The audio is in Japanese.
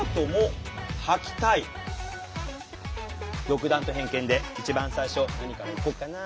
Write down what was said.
独断と偏見で一番最初何からいこうかな。